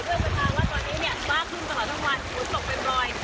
ด้วยคำถามว่าตอนนี้ซ้าขึ้นตลอดทั้งวันหรือสลบเป็นรอย